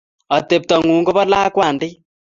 Ateptong'ung' ko po lakwandit.